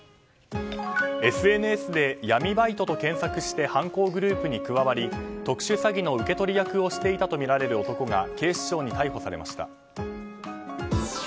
ＳＮＳで闇バイトと検索して犯行グループに加わり特殊詐欺の受け取り役をしていたとみられる男が警視庁に逮捕されました。